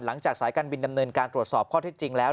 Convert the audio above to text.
สายการบินดำเนินการตรวจสอบข้อที่จริงแล้ว